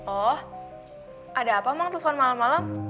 oh ada apa mang telfon malem malem